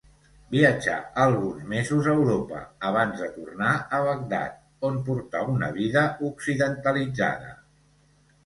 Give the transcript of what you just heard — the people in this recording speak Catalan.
Viatjà alguns mesos a Europa, abans de tornar a Bagdad, on portà una vida occidentalitzada.